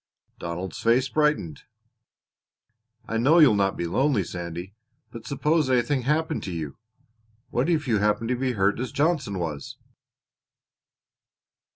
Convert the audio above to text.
Donald's face brightened. "I know you'll not be lonely, Sandy," he said, "but suppose anything happened to you what if you happened to be hurt as Johnson was?"